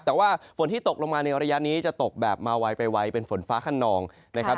แต่ว่าฝนที่ตกลงมาในระยะนี้จะตกแบบมาไวไปไวเป็นฝนฟ้าขนองนะครับ